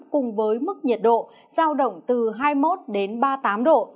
cùng với mức nhiệt độ giao động từ hai mươi một đến ba mươi tám độ